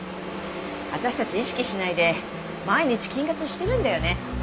私たち意識しないで毎日菌活してるんだよね。